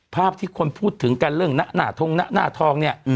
ภาพที่คนพูดถึงกันเรื่องหน้าทงหน้าทองเนี่ย